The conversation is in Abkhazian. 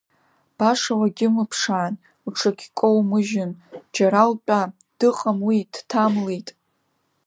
Баша уагьымԥшаан, уҽагькоумыжьын, џьара утәа, дыҟам уи, дҭамлеит!